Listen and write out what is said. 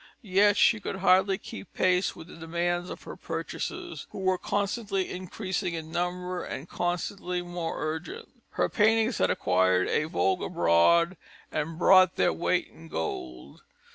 Yet she could hardly keep pace with the demands of her purchasers, who were constantly increasing in number and constantly more urgent. Her paintings had acquired a vogue abroad and brought their weight in gold.